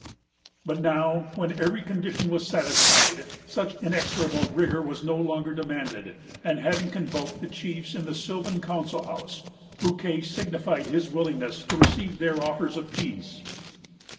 But now, when every condition was satisfied, such inexorable rigor was no longer demanded; and, having convoked the chiefs in the sylvan council house, Bouquet signified his willingness to receive their offers of peace.